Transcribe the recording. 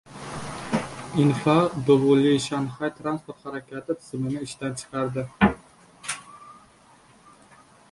“Infa” dovuli Shanxay transport harakati tizimini ishdan chiqardi